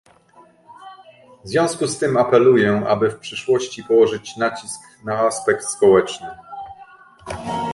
W związku z tym apeluję, aby w przyszłości położyć nacisk na aspekt społeczny